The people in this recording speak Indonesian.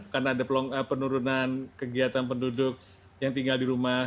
karena ada penurunan kegiatan penduduk yang tinggal di rumah